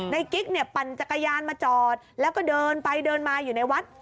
กิ๊กเนี่ยปั่นจักรยานมาจอดแล้วก็เดินไปเดินมาอยู่ในวัด